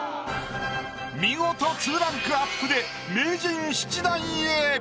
見事２ランクアップで名人７段へ。